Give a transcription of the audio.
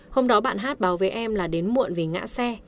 hôm đó bạn hát báo với em là đến muộn vì ngã xe